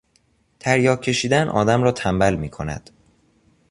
تریاک کشیدن آدم را تنبل میکند.